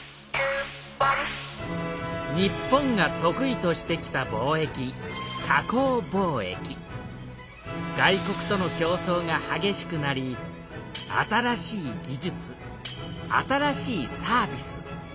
日本が得意としてきた貿易外国との競争がはげしくなり新しい技術新しいサービス